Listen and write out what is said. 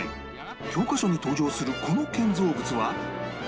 教科書に登場するこの建造物は？